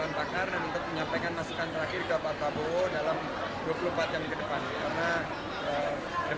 kami akan berkomunikasi dengan pemerintah dari dewan pakar dan untuk menyampaikan masukan terakhir ke pak pabowo dalam dua puluh empat jam ke depan